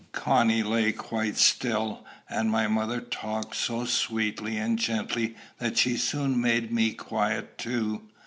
Connie lay quite still, and my mother talked so sweetly and gently that she soon made me quiet too.